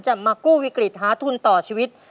มากู้วิกฤตหาทุนต่อชีวิต